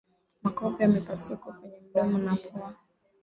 Makovu ya mipasuko kwenye mdomo na pua